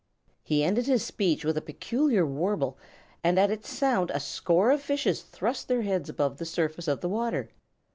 He ended his speech with a peculiar warble, and at its sound a score of fishes thrust their heads above the surface of the water.